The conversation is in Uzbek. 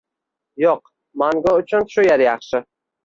Yo‘q, mango shu yer yaxshi!